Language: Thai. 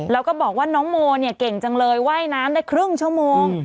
แล้วก็บอกว่าน้องโมเนี่ยเก่งจังเลยว่ายน้ำได้ครึ่งชั่วโมง